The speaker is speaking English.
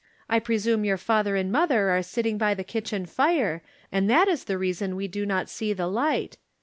I presume your father and mother are sjtting by the kitchen fire, and that is the reason we do not see the light.